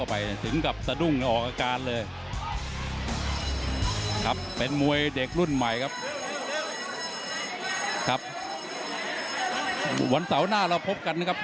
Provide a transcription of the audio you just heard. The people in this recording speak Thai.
วันเสาร์หน้าเราพบกันนะครับ